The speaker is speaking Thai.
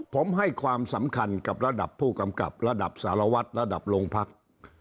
ผมให้ความสำคัญกับระดับผู้กำกับระดับสารวัตรระดับโรงพัก